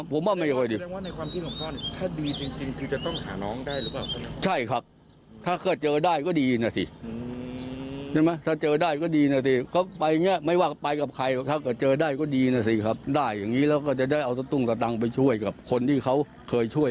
อ๋อพ่อทำขนาดนี้ยังถือว่ายังไม่ดีใช่มั้ย